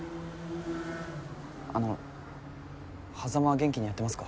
あの硲は元気にやってますか？